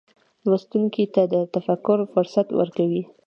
لوستونکي ته د تفکر فرصت ورکوي.